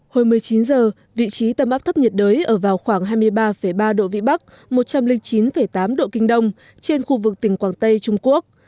hồi một mươi chín giờ vị trí tâm áp thấp nhiệt đới ở vào khoảng hai mươi ba ba độ vĩ bắc một trăm linh chín tám độ kinh đông trên khu vực tỉnh quảng tây trung quốc